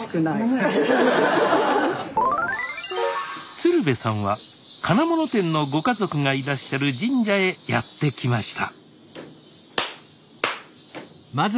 鶴瓶さんは金物店のご家族がいらっしゃる神社へやって来ました